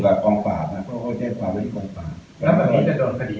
แล้วก็รอหมายได้อ๋อต้องรอหมายได้อ๋อต้องรอหมายได้มาให้ใช่ใช่